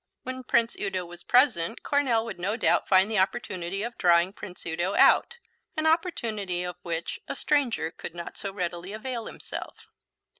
When Prince Udo was present Coronel would no doubt find the opportunity of drawing Prince Udo out, an opportunity of which a stranger could not so readily avail himself.